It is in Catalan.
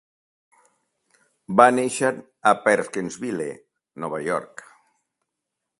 Va néixer a Perkinsville, Nova York.